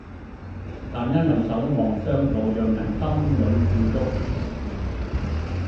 但因為守望相助讓人心裏富足